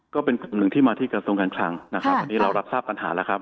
ก็เป็นกลุ่มหนึ่งที่มาที่กระทรวงการคลังนะครับวันนี้เรารับทราบปัญหาแล้วครับ